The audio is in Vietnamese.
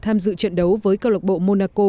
tham dự trận đấu với cơ lộc bộ monaco